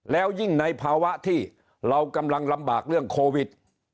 แล้วยิ่งในภาวะที่เรากำลังลำบากเรื่องโควิด